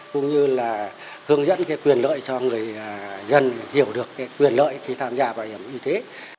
cũng như là hướng dẫn quyền lợi cho người dân hiểu được quyền lợi khi tham gia bảo hiểm y tế